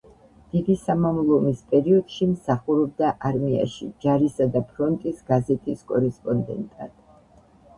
დიდი სამამულო ომის პერიოდში მსახურობდა არმიაში ჯარისა და ფრონტის გაზეთის კორესპონდენტად.